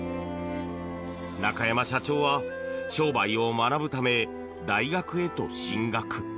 中山社長は商売を学ぶため、大学へと進学。